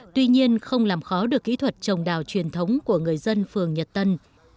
tuy nhiên không làm khó được kỹ thuật trồng đào truyền thống của người dân phường nhật tân